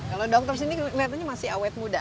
kalau dokter sini kelihatannya masih awet muda